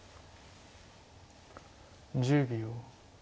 １０秒。